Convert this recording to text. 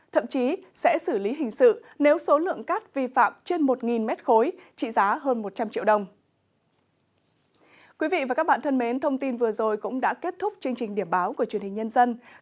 thậm chí sẽ xử lý hình sự nếu số lượng cát vi phạm trên một mét khối trị giá hơn một trăm linh triệu đồng